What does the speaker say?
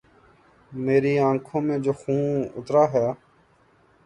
میری آنکھوں میں جو خون اترا ہے